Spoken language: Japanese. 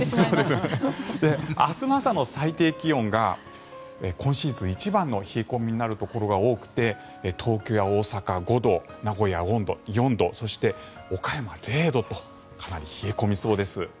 明日の朝の最低気温が今シーズン一番の冷え込みになるところが多くて東京や大阪、５度名古屋、４度そして岡山、０度とかなり冷え込みそうです。